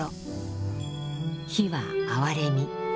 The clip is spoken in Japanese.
「悲」は哀れみ。